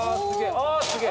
あすげえ！